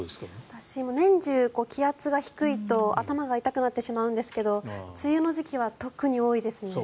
私も年中、気圧が低いと頭が痛くなってしまうんですが梅雨の時期は特に多いですね。